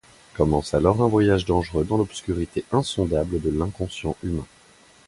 Commence alors un voyage dangereux dans l'obscurité insondable de l'inconscient humain.